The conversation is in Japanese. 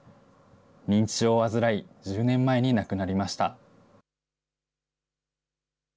認知症を患い、１０年前に亡くなりました。